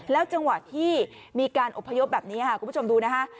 จังหวะที่มีการอบพยพแบบนี้ค่ะคุณผู้ชมดูนะคะ